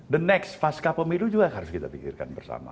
the next pasca pemilu juga harus kita pikirkan bersama